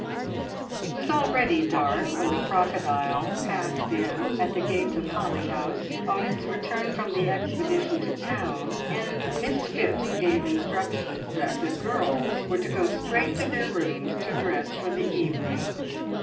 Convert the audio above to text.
It was already dark when the crocodile passed in at the gates of Holly House on its return from the expedition to town, and Miss Phipps gave instructions that the girls were to go straight to their rooms to dress for the evening.